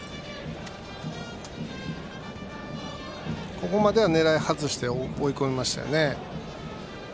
ここまでは狙いを外して追い込みましたよね。